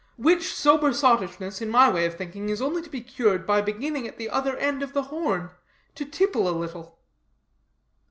Which sober sottishness, in my way of thinking, is only to be cured by beginning at the other end of the horn, to tipple a little."